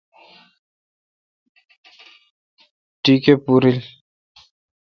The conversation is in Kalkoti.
ٹیکہ پورل ۔